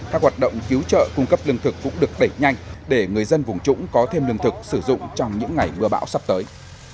các hoạt động cứu trợ cung cấp lương thực cũng được đẩy nhanh để người dân vùng trũng có thêm lương thực sử dụng trong những ngày mưa bão sắp tới